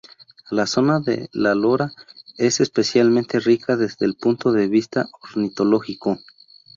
La zona de La Lora es especialmente rica desde el punto de vista ornitológico.